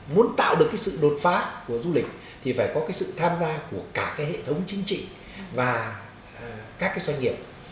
muốn tạo được sự đột phá của du lịch thì phải có sự tham gia của cả hệ thống chính trị và các doanh nghiệp